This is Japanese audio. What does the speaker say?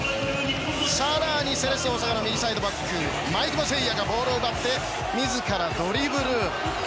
更にセレッソ大阪の右サイドバック、毎熊晟矢がボールを奪って、自らドリブル。